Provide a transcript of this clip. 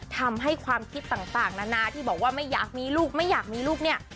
ทำให้ความคิดต่างนานาที่บอกว่าไม่อยากมีลูกไม่อยากมีลูกเนี่ย